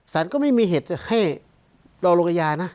สรรค์ก็ไม่มีเหตุให้เราโรคยานะ